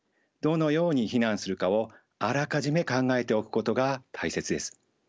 どのように避難するかをあらかじめ考えておくことが大切です。